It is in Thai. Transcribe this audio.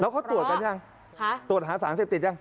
เขาตรวจกันยังตรวจหาสารเสพติดยัง